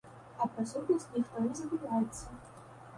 А пра сутнасць ніхто не забываецца.